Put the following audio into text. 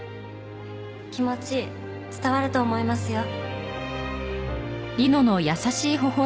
気持ち伝わると思いますよ。